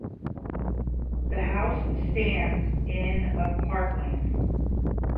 The house stands in of parkland.